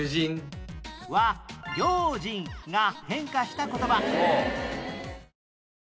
は「用心」が変化した言葉